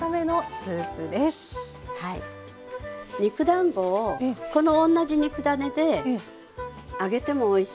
肉だんごをこの同じ肉ダネで揚げてもおいしいの。